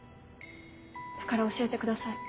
だから教えてください。